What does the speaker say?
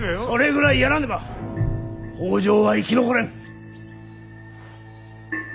それぐらいやらねば北条は生き残れん。